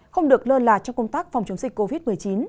không được lơ là trong công tác phòng chống dịch covid một mươi chín